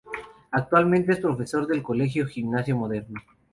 Actualmente es profesor del colegio Gimnasio Moderno.